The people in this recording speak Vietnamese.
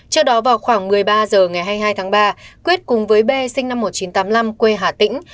trước đó vào khoảng một mươi ba h ngày hai mươi hai tháng ba quyết cùng với b sinh năm một nghìn chín trăm tám mươi năm quê hà tĩnh